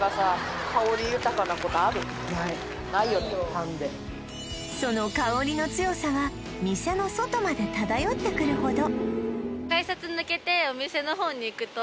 パンでその香りの強さは店の外まで漂ってくるほど